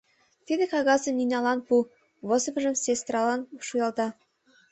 — Тиде кагазым Ниналан пу, — возымыжым сестралан шуялта.